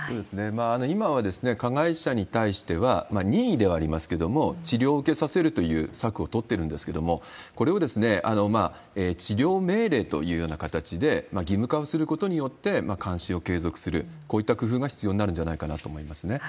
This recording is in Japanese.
今は加害者に対しては、任意ではありますけれども、治療を受けさせるという策を取っているんですけれども、これを治療命令というような形で義務化をすることによって、監視を継続する、こういった工夫が必要になるんじゃないかなと思いますね。